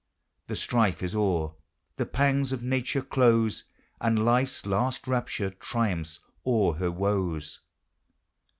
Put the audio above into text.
The strife is o'er, — the pangs of Nature close, And life's Inst rapture triumphs o'er her woes.